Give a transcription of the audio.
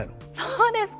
そうですか。